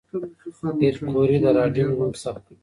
پېیر کوري د راډیوم نوم ثبت کړ.